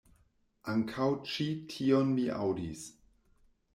Ankaŭ ĉi tion mi aŭdis.